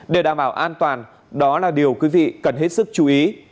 để đảm bảo an toàn đó là điều quý vị cần hết sức chú ý